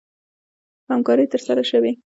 په همکارۍ ترسره شوې